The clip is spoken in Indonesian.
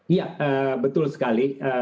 iya betul sekali